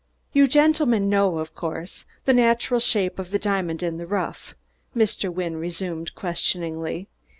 "You gentlemen know, of course, the natural shape of the diamond in the rough?" Mr. Wynne resumed questioningly.